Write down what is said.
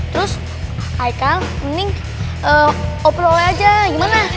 terus aikal mending oper oleh aja gimana